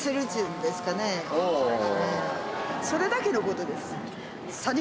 それだけの事です。